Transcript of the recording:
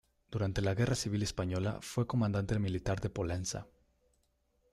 Durante la Guerra Civil Española, fue comandante militar de Pollensa.